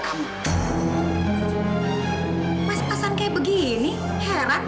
kamu ini ngapain sih